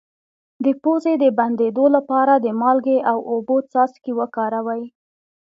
د پوزې د بندیدو لپاره د مالګې او اوبو څاڅکي وکاروئ